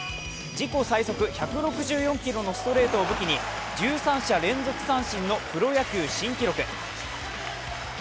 自己最速１６４キロのストレートを武器に１３者連続三振のプロ野球新記録。